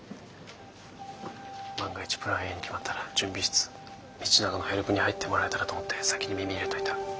万が一プランＡに決まったら準備室道永のヘルプに入ってもらえたらと思って先に耳入れといた。